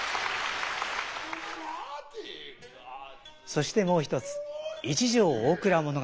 そしてもう一つ「一條大蔵譚」。